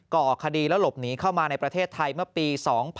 ก่อคดีแล้วหลบหนีเข้ามาในประเทศไทยเมื่อปี๒๕๖๒